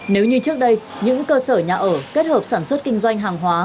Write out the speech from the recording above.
nếu như trước đây những cơ sở nhà ở kết hợp sản xuất kinh doanh hàng hóa